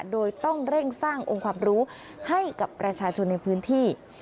โดยต้องเร่งสร้างองค์ความรู้ให้กับประชาชนในพื้นที่